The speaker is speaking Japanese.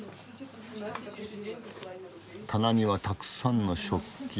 棚にはたくさんの食器。